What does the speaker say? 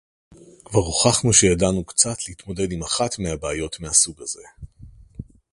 כבר הוכחנו שידענו קצת להתמודד עם אחת מהבעיות מהסוג הזה